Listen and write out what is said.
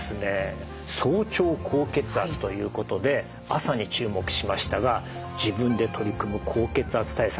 早朝高血圧ということで朝に注目しましたが自分で取り組む高血圧対策